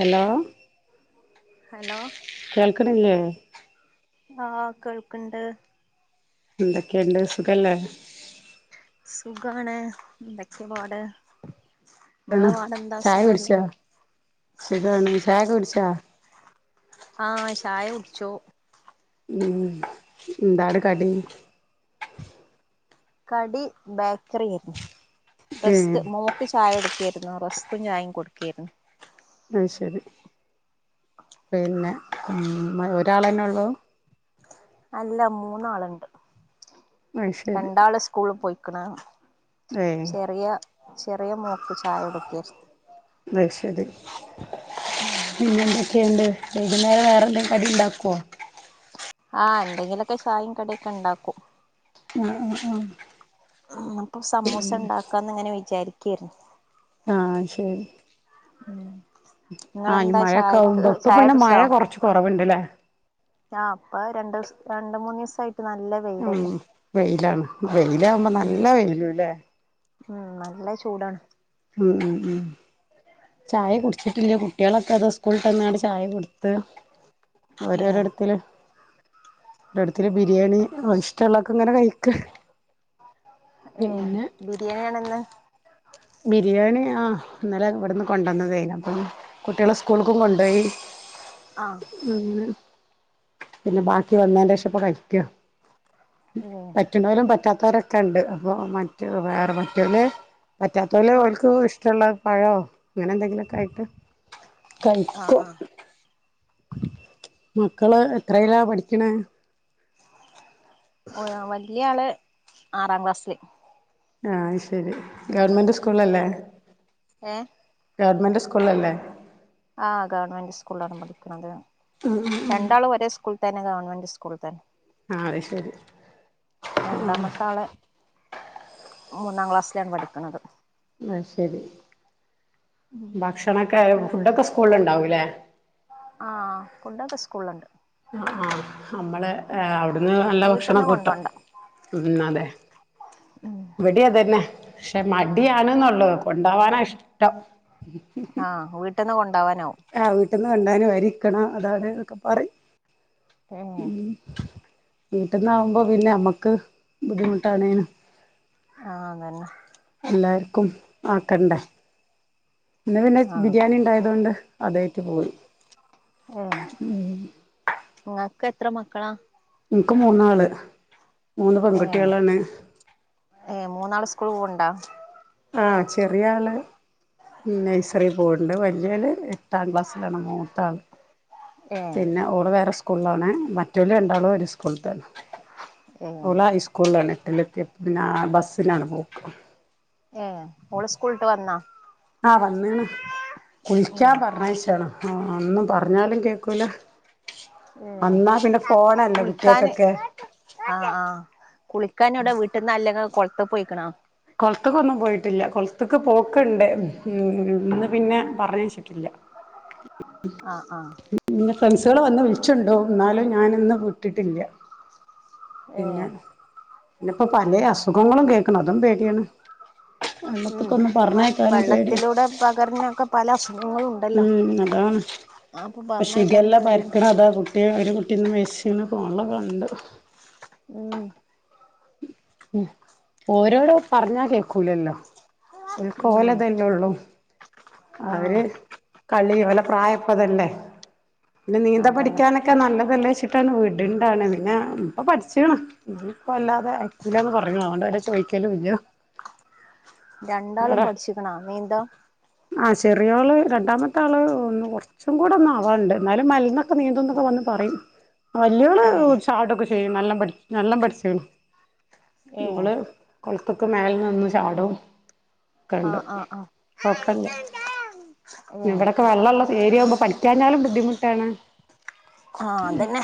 Hello hello കേൾക്കണില്ലേ ആ കേൾക്ക്ണ്ട് എന്തൊക്ക്ണ്ട് സുഖല്ലേ? സുഖാണ്. എന്തൊക്കെ പ്പാട്? സുഖാണ് ചായൊക്കെ കുടിച്ചാ സുഖാണ് ചായൊക്കെ കുടിച്ചോ ച്ചാ ആ ചായകുടിച്ചു ഉം എന്താണ് കടി കടി ബേക്കറിയായിരുന്നു ഏ റസ്ക്. മോക്ക് ചായകൊടുക്കെര്ന്നു റസ്കും ചായിം കൊടുകേർന്ന് അത്ശരി പിന്നെ ഒരാളെന്നേയുള്ളു അല്ല മൂന്നാള്ണ്ട് അത് ശരി രണ്ടാള് സ്കൂള് പോയി ക്ക്ണാ ഏ ചെറിയ ചെറിയ മോക്ക് ചായ കൊടുക്കേര്ന്ന് അയ്ശരി പിന്നെന്തെക്ക് ക്കേണ്ട് വൈകുന്നേരം വേറെ എന്തേ കടി ഉണ്ടാക്കോ ആഹ് ന്തെങ്കിലൊക്കെ ചായിം കടിം ക്കെണ്ടാക്കും ആഹ് ആഹ് ആഹ് ഉം അപ്പ സമൂസ ഇണ്ടാക്കാന്ന് ഇങ്ങനെ വിചാരി ക്കിര്ന്ന് ആഹ് ശരി ഉം ആഞ്ഞ് നിങ്ങളെന്താ മഴക്കെ ചായക്ക് ആവുമ്പം ചായ പ്പപ്പയ്ന് മഴക്കെ കൊർച്ച് കൊറവ്ണ്ട് ലെ ആഹ് അപ്പ രണ്ട് മൂന്ന് ദിവസാ ഉം വയില്ലാണ് വെയിലാകുമ്പം ഉം നല്ല വെയിലും ഇല്ലേ ഉം നല്ല ചൂടാണ് ഉം ഉം ഏഹ് ഓരോരിടത്തില് ഡഡത്തില് ബിരിയാണി ആഹ് ഇഷ്ട്ടൊള്ളതക്ക അങ്ങനെ കയ്ക്ക ഏ പിന്നെ ബിരിയാണിയാണിന്ന് ബിരിയാണി ആഹ് ഇന്നലെ ഇവിട്ന്ന് കൊണ്ട്വന്നതായിനു അപ്പം കുട്ടികള് സ്കൂളുക്കും കൊണ്ടോയി ആഹ് അങ്ങനെ പിന്നെ ബാക്കി വന്നതിന്റെ ശേഷം ഇപ്പ കഴിക്യ ഉം പറ്റുന്നോലും പറ്റാ കൊറച്ചൊണ്ട് അപ്പൊ മറ്റ് വേറെ മറ്റ് [unintelligible] പറ്റാത്തോലെ ആഹ് ഓല്ക്ക് ഇഷ്ട്ടൊള്ള പഴോ അങ്ങനെ എന്തെങ്കിലൊക്കായിട്ട് ആഹ് കയ്ക്കും മക്കള് എത്രയിലാ പഠിക്കണേ ഒര് വലിയാള് ആറാം ക്ലാസില് ആഹ് ശരി ഗവൺമെൻറ് സ്കൂളല്ലെ ഏ ഗവൺമെൻറ് സ് കൊള്ളാല്ലേ ആഹ് ഗവണ്മെന്റ് സ്കൂളിലാണ് പഠിക്കണത് രണ്ടാളും ഒരെ സ്കൂൾ തന്നെ ഗവൺമെന്റ് സ്കൂളിൽ തന്നെ അഹ് ശരി രണ്ടാമത്തെ അൾ മൂന്നാം ക്ലാസിലാണ് പഠിക്കുന്നത് അശരി ഉം ഭക്ഷണക്കെ ഫുഡ് ഒക്കെ സ്കൂളിൽ ഉണ്ടാവു ലെ ആ ഫുഡ് ഒക്കെസ്കൂളിൽണ്ട് അ അ നമ്മൾ ഹെ അവു ന്ന് നല്ല വീട്ടിൽന്ന് ഭാഷനാക്കെ കിട്ടും കൊണ്ടോണ്ട ഉം ഇവടിം അധെനെ പക്ഷെ മടിയാണ് ഒള്ളു കൊണ്ടോവാന ഇഷ്ടം അ വീട്ടിന് കൊണ്ട് ണ്ടാവണവും ന്ന് കൊണ്ടരാൻ വരി നിൽക്കണം അത് അദ്ദേ നെക്കെ പറയും ഏഹ് [unintelligible] വിട്ടുന്നവബോ നമ്മക് ബുദ്ധിമുട്ടാണെന്നും അ അദെന്നെ ക്കും നോക്കണ്ടേ ഇന്ന് പിന്നെ ആഹ് ബിരിയാണി ഉണ്ടായാധൊണ്ട് തെറ്റ് പോയി ഉം ങ്ങൾക് എത്ര മക്കള ഇനിക്ക് മുന്നാൾ മൂന്ന് ഏഹ് പെൺകുട്ടിളാണ് കൂൾ പോവുണ്ട അ ചെറിയ ആൾ നെയ്‌സറിയിൽ പോവുണ്ട് വലിയാൾ ഏട്ടാം ക്ലാസിലാണ് മുത്താൾ ഏഹ് പിന്നെ ഓൾ വേറെ സ്കൂ സ്കൂളിലാണ് മറ്റൊല് രണ്ടാളും ഒരു സ്കൂളിൽതന്നെ ഏഹ് ഓൾ ഐ സ്കൂളിലാണ് ട്ടിലെത്തെപ്പം പിന്നെ ആ ബസിനാണ് പോക് ഏ മോൾ സ്കൂൾ വിട്ട് വന്ന അ വണ്ണിന് കുളിക്കാൻ ഏഹ് പറന്നയച്ചതാണ് അ ഒന്നും പറഞ്ഞാലും കേൾക്കുല ഏ കുളിക്കാൻ കുട്ട്യേക്കൊക്കെ അ അ കുളിക്കാൻ ഓടെ വീട്ടീന്ന് അല്ലെ നിങ്ങ കൊളത്ത് പോയിക്കുണോ കൊളത്ത്ക്കൊന്നും പോയിട്ടില്ല കൊളത്ത്ക് പോക്ക്ണ്ട് ഇന്ന് പിന്നെ പറഞയച്ചിട്ടില്ല ആ ആ ഫ്രണ്ട്‌സേൾ വന്ന് വിളിച്ചൊണ്ടോവും ന്നാലും ഞാന് ന്ന് വുട്ട്ട്ടില്ല പിന്നെ ഏഹ് ന്നെപ്പൊ പലേ അസുഖങ്ങളും കേക്ക്ണ് അതും പേടിയാണ് ഉം വെള്ളത്ത്ക്കൊന്നും വ പറഞ്ഞേക്കാനും വെള്ളത്തിലൂടെ പകരണ ഒക്കെ പല അസുഖങ്ങളും ഉണ്ടല്ലോ മ്മ് അതാണ് അപ്പൊ പറഞ്ഞയക്കാനും പേടിയാണ് [unintelligible] ട്ടിന്ന് മരിച്ണ് ഫോണിൽ കണ്ട് ഉം ഉം ഓരോട് പറഞ്ഞ കേക്കുലല്ലോ ഉം ഓൽക്കോലെതെല്ലെള്ളു ആഹ് അവര് കളി ഓലെപ്രായപ്പതല്ലേ ന്നെ നീന്താൻ അതന്നെ പഠിക്കാനൊക്കെ നല്ലതല്ലേ ച്ച്ട്ടാണ് വിട്ണ്ടാനത് പിന്നെപ്പം പഠിച്ചാണ് ഇഞ്ഞിപ്പൊവല്ലാതെ അയക്കൂലാന്ന് പറയും അതോണ്ട് പിന്നെ ചോയ്ക്കലൂല്ല രണ്ടാളും പട്ച്ച്ക്ണൊ നീന്തം ചെറിയോള് രണ്ടാമത്താള് ഒന്ന് കൊറച്ചും കൂടൊന്ന് ആവാണ്ട് ന്നാലും മൽന്നൊക്കെ നീന്തുംനൊക്കെ വന്ന് പറീം വല്യോള് ഏഹ് ചാടൊക്കെ ചെ ഏ‌ നല്ലം പട് നല്ലം പട്ച്ച്ണോ ഏഹ് ഇവള് കൊൾത്ക്ക് മേലെ നിന്ന് ചാടും കണ്ടു ആഹ് ആഹ് ആഹ് അപ് [unintelligible] ആഹ് ഇവടെക്കെ വള്ളള്ള ഏരിയാവുമ്പോ പഠിക്കാഞ്ഞാലും ബുദ്ധിമുട്ടാണ് ആഹ് അതെന്നെ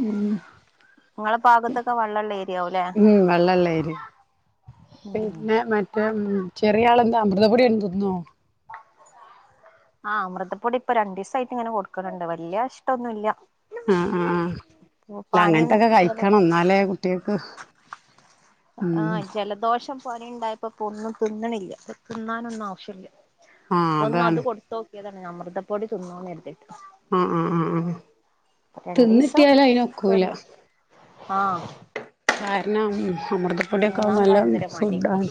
ഊം ഇങ്ങളെ പാഗത്തൊക്കെ വള്ളെ ള്ളേ ഹ് ഉം വെള്ളള്ളെരി ഹ് ഉം പിന്നെ മറ്റ് മ് ചെറിയാളെന്താ അമൃതപ്പൊടി [unintelligible] തിന്നോ ആ അമൃതപൊടിപ്പൊ രണ്ടീസായിട്ട്ങ്ങനെ കൊട്ക് ണ് ണ്ട്. വല്യേ ഇഷ്ട്ടൊന്നുല്ല. ആ ആ ആ. ല്ലാ അങ്ങൻതൊക്കെ ജല കഴിക്കണം ഇന്നാലെ കുട്ട്യേൾക്ക് മ് പനിണ്ടായപ്പൊ ഇപ്പൊന്നും തിന്ന്ണില്ല, ത് ന്നാനൊന്നും ആവശ്യല്ല. ആഹ്... അതാണ് ത്ത്യതാണ് അമൃതപ്പൊടി തുന്നൂന്നെര്തി. ആഹ് ആഹ് ആഹ് ആഹ്. രണ്ടീസം തിന്നിട്ട്യാലയിനൊക്കൂല. തിന്നു ആഹ് കാരണം അമൃതപ്പൊടിയൊക്കെ അത് തിന്നാൻ നല്ല ഭയങ്കര മടി ഫുഡാണ്.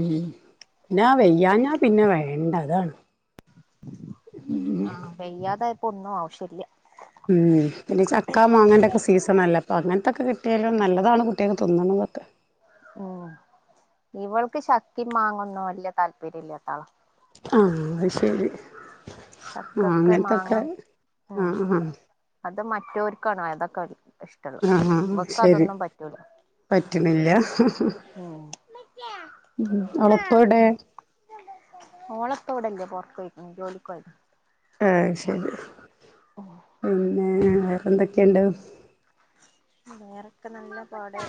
മ് ന്നാ വയ്യാഞ്ഞാപിന്നെ വേണ്ട അതാണ്. ആ വയ്യാതായ ഒന്നും ആവശ്യല്ല്യ. ഉം പിന്നെ ചക്കാ മാങ്ങന്റൊക്കെ സീസണല്ലേ, അപ്പങ്ങൻത്തൊക്കെ കിട്ടിയാലും നല്ലതാണ് കുട്ടിയേക്ക് ത് ന്നണതൊക്കെ. ഓ ഇവൾക്ക് ചക്കിം മാങ്ങൊന്നും വല്യ താല്പര്യല്ലാത്ത ആളാ. ആഹ്.. അഹ്ശരി ആ ചക്കക്ക് അങ്ങനത്തൊക്കെ മാങ്ങ ആ ആ ഇത് മറ്റോർക്കണ് ആതൊക്കെ ആ ഹ ശരി പറ്റ്ണില്ല. ഉം ഉം ഓളപ്പവ്ടെ? ല്ല പൊറ്ത്തോയിക്ക്ണ് ജോലിക്കോയത. ഏ ശെരി ന്നെ ഏ വേറെന്തൊക്കെണ്ട്? അ വേറെക്കെ നല്ല പാട്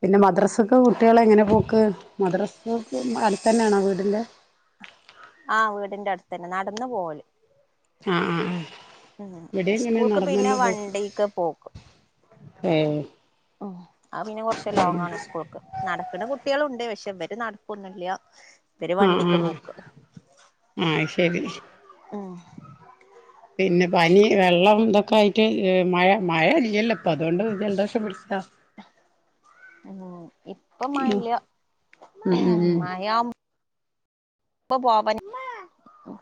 പിന്നെ മദ്രസക്ക് കുട്ട്യളെങ്ങനെ പോക്ക് മദ്രസ് അട്ത്തെന്നേണോ വീട്ൻ്റെ? ആവീട്ൻ്റെ അട്ത്തെനെ നട്ന്ന് പോവല് ആ ആ മ്മ് സ്കൂൾക്ക്പിന്നെ വണ്ടിക്ക് പോക്ക് ഏഹ് മ്മ് അത് പിന്നെ കൊർച്ച് ലോങ്ങാണ് സ്കൂളുൾക്ക് നടക്ക്ണ കുട്ട്യളുണ്ട് പക്ഷേ ഇവര് നടക്കൊന്നുല്യ മ് മ് ഉം അശെരി ഉം ന്നെ പനി വെള്ളം ദൊക്കെയിട്ട് ങ് മഴ മഴ അ ല്ലേപ്പം അതോണ്ട് ജല്ദോഷം പിട്ച്ചദ ഉം ഇപ്പം മ്മ് മഴല്ല മ് മ് മ് ഇപ്പം പോവ്വന് മു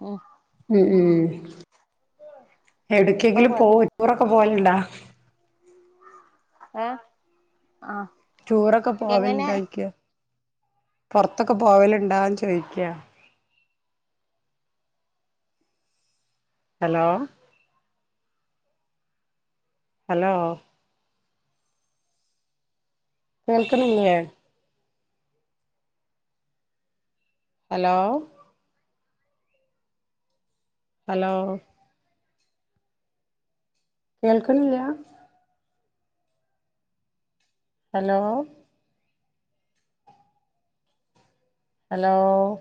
മു മ് മ് ഇപ്പൊ കൊഴ എവ്ട്ക്കെങ്കിലുംപോവ ടൂർഒക്കെ പോവല്ണ്ട ഏ ടൂർഒക്കെ പോവല്ണ്ടോയിക്ക് പൊർത്തൊക്കെ പോവലുണ്ടോന്ന് ചോയ്ക്ക ഹലോ ഹലോ കേൾക്കണില്ലേ ഹലോ ഹലോ കേൾക്കണില്ല ഹലോ ഹലോ